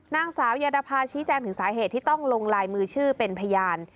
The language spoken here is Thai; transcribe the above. นางสาวยาดภาชี้แจงถึงสาเหตุที่ต้องลงลายมือชื่อเป็นพยาน